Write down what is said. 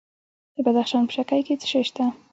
د بدخشان په شکی کې څه شی شته؟